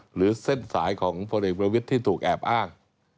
หรือเส้นสายของพลเอกประวิทย์ที่ถูกแอบอ้าง